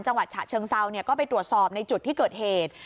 ฉะเชิงเซาก็ไปตรวจสอบในจุดที่เกิดเหตุ